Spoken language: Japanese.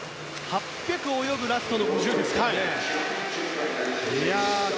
８００泳ぐラストの５０ですからね。